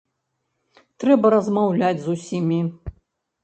Трэба размаўляць з усімі.